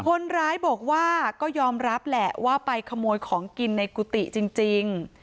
คนร้ายบอกว่าก็ยอมรับแหละว่าไปขโมยของกินในกุฏิจริง